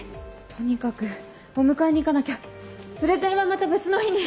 とにかくお迎えに行かなきゃプレゼンはまた別の日に。